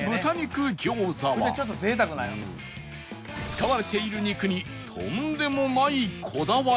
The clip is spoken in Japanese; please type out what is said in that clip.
使われている肉にとんでもないこだわりが！